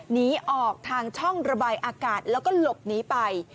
หนีออกทางช่องระบายอากาศแล้วก็หลบหนีไป